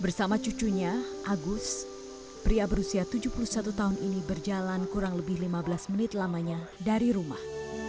bersama cucunya agus pria berusia tujuh puluh satu tahun ini berjalan kurang lebih lima belas menit lamanya dari rumah